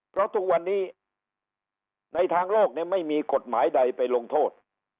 เพราะทุกวันนี้ในทางโลกไม่มีกฎหมายใดไปลงโทษ